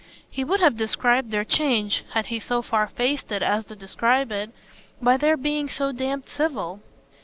He would have described their change had he so far faced it as to describe it by their being so damned civil.